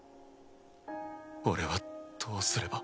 俺はどうすれば。